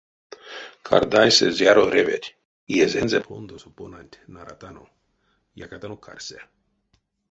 Кардайсэ зяро реветь, иезэнзэ пондосо понанть наратано — якатано карьсэ.